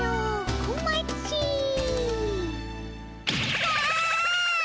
うわ！